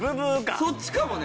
そっちかもね。